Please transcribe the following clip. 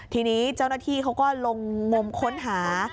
ทีนี้เจ้าหน้าที่เขาก็ลงงมค้นหา